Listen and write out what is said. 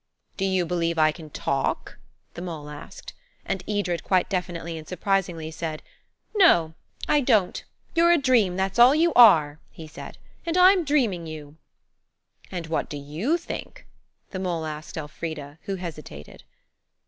"Do you believe I can talk?" the mole asked; and Edred quite definitely and surprisingly said– "No, I don't. You're a dream, that's all you are," he said, "and I'm dreaming you." "And what do you think?" the mole asked Elfrida, who hesitated.